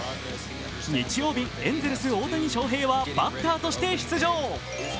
日曜日、エンゼルス・大谷翔平はバッターとして出場。